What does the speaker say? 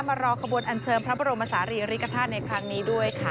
รอขบวนอันเชิญพระบรมศาลีริกฐาตุในครั้งนี้ด้วยค่ะ